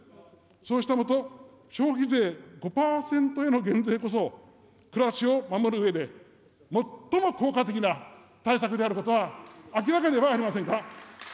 そうしたもと、消費税５％への減税こそ、暮らしを守るうえで、最も効果的な対策であることは明らかではありませんか。